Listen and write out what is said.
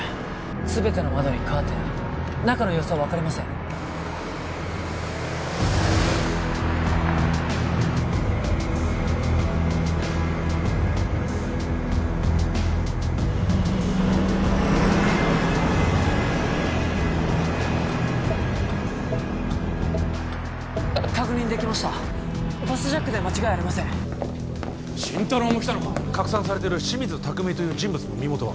すべての窓にカーテン中の様子は分かりません確認できましたバスジャックで間違いありません心太朗も来たのか拡散されているシミズタクミという人物の身元は？